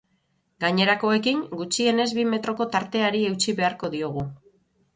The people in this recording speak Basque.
Gainerakoekin, gutxienez bi metroko tarteari eutsi beharko diogu.